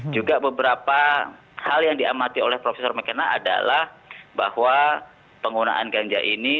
juga beberapa hal yang diamati oleh profesor mckenna adalah bahwa penggunaan ganja ini